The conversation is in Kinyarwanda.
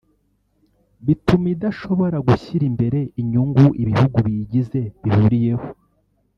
bituma idashobora gushyira imbere inyungu ibihugu biyigize bihuriyeho